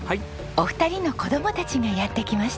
お二人の子供たちがやって来ました。